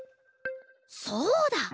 そうだ！